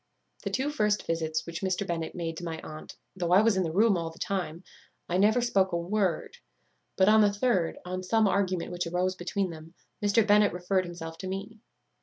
"The two first visits which Mr. Bennet made to my aunt, though I was in the room all the time, I never spoke a word; but on the third, on some argument which arose between them, Mr. Bennet referred himself to me.